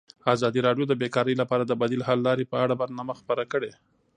ازادي راډیو د بیکاري لپاره د بدیل حل لارې په اړه برنامه خپاره کړې.